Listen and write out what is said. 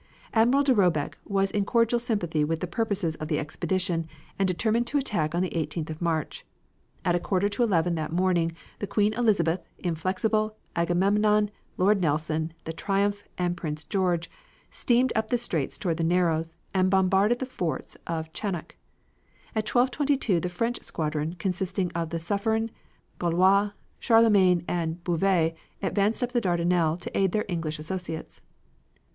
Admiral de Roebeck was in cordial sympathy with the purposes of the expedition and determined to attack on the 18th of March. At a quarter to eleven that morning, the Queen Elizabeth, Inflexible, Agamemnon, Lord Nelson, the Triumph and Prince George steamed up the straits towards the Narrows, and bombarded the forts of Chanak. At 12.22 the French squadron, consisting of the Suffren, Gaulois, Charlemagne, and Bouvet, advanced up the Dardanelles to aid their English associates.